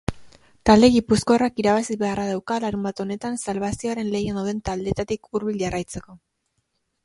Talde gipuzkoarrak irabazi beharra dauka larunbat honetan salbazioaren lehian dauden taldeetatik hurbil jarraitzeko.